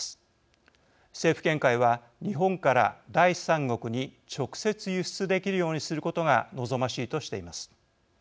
政府見解は日本から第三国に直接輸出できるようにすることが望ましいとしています。